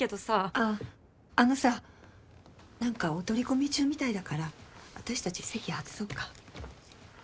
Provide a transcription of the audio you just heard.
あっあのさ何かお取り込み中みたいだから私たち席外そうか？